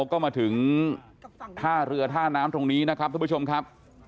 ก็มาถึงท่าเรือท่าน้ำตรงนี้นะครับทุกผู้ชมครับ